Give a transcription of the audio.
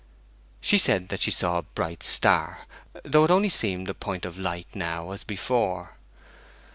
She said that she saw a bright star, though it only seemed a point of light now as before.